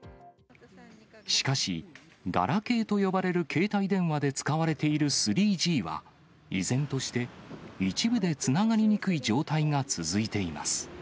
しかし、ガラケーと呼ばれる携帯電話で使われている３Ｇは、依然として一部でつながりにくい状態が続いています。